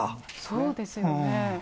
そうですよね。